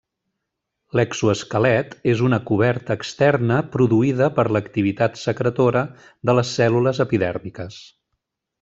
L'exoesquelet és una coberta externa produïda per l'activitat secretora de les cèl·lules epidèrmiques.